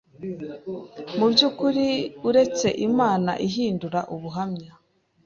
Mu byukuri uretse Imana ihindura ubuhamya